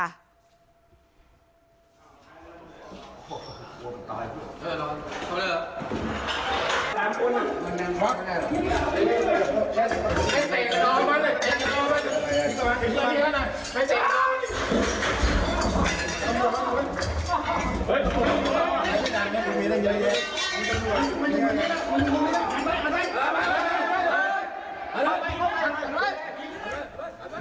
เตรียมต่อมาเลยเตรียมต่อมาเลย